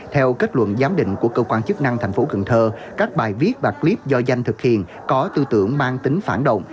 theo kết luận giám định của cơ quan chức năng thành phố cần thơ các bài viết và clip do danh thực hiện có tư tưởng mang tính phản động